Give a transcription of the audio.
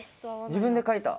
自分で描いた？